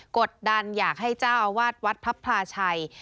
กดดันอยากให้เจ้าอาวาสวัดพระพลาชัย